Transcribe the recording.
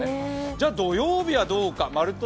じゃ土曜日はどうか、「まるっと！